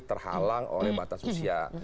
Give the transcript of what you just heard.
terhalang oleh batas usia